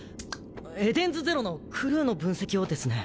エデンズゼロのクルーの分析をですね。